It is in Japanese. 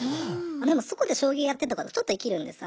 でもそこで将棋やってたことちょっと生きるんです。